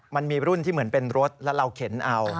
มันมีรุ่นที่เหมือนเป็นรถแล้วเราเข็นเอา